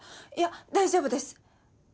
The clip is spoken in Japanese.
いや大丈夫です！